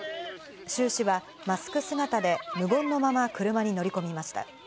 周氏はマスク姿で、無言のまま車に乗り込みました。